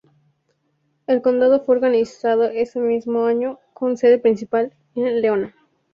El condado fue organizado ese mismo año, con sede principal en Leona.